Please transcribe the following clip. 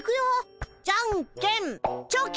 じゃんけんチョキ！